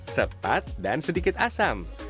sepat dan sedikit asam